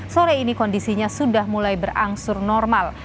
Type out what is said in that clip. sore ini kondisinya sudah mulai berangsur normal